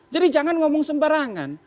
jadi jangan ngomong sembarangan